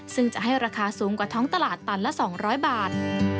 ซึ่งจะให้ราคาสูงกว่าท้องตลาดตันละ๒๐๐บาท